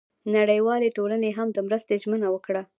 نړیوالې ټولنې هم د مرستې ژمنه وکړه.